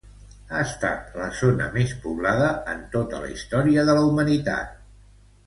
Ha estat la zona més poblada en tota la història de la humanitat.